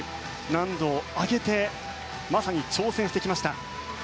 難度を上げてまさに挑戦してきました。